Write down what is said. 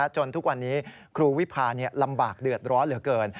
จนทุกวันนี้ครูวิพาลำบากเดือดร้อนเหลือเกิน